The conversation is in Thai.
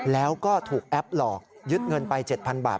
แล้วก็ถูกแอปหลอกยึดเงินไป๗๐๐บาท